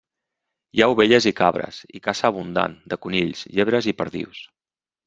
Hi ha ovelles i cabres, i caça abundant, de conills, llebres i perdius.